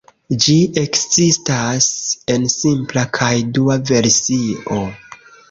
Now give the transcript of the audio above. Ĝi ekzistas en simpla kaj dua versio.